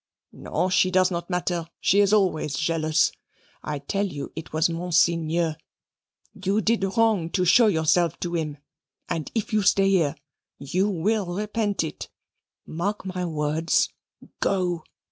"No she does not matter she is always jealous. I tell you it was Monseigneur. You did wrong to show yourself to him. And if you stay here you will repent it. Mark my words. Go.